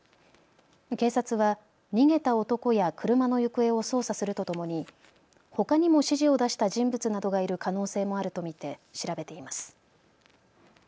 警察は逃げた男や車の行方を捜査するとともにほかにも指示を出した人物などがいる可能性もあると見て調べています。